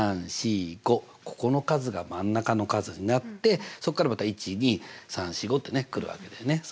ここの数が真ん中の数になってそっからまた１２３４５ってねくるわけだよね。